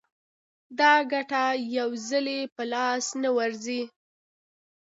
دا ګټه یو ځلي په لاس نه ورځي